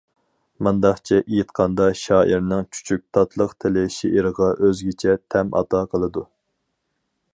مۇنداقچە ئېيتقاندا، شائىرنىڭ چۈچۈك، تاتلىق تىلى شېئىرغا ئۆزگىچە تەم ئاتا قىلىدۇ.